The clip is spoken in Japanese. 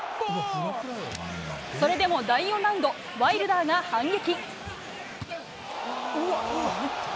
それでも第４ラウンドワイルダーが反撃。